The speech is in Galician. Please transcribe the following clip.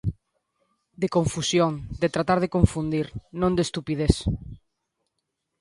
De confusión, de tratar de confundir, non de estupidez.